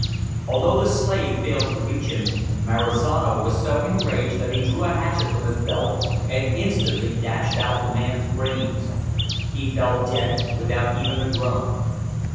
Although the slave failed to reach him, Marizano was so enraged that he drew a hatchet from his belt and instantly dashed out the man's brains. He fell dead without even a groan.